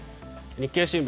日経新聞。